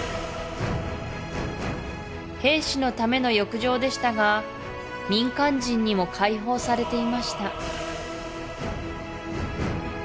兵士のための浴場でしたが民間人にも開放されていました